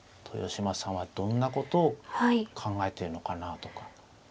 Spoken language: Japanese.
豊島さんはどんなことを考えてるのかなとか。